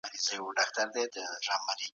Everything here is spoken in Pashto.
ایا واړه پلورونکي ممیز ساتي؟